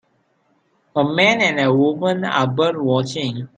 A man and woman are birdwatching.